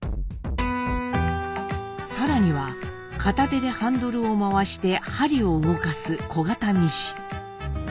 更には片手でハンドルを回して針を動かす小型ミシン。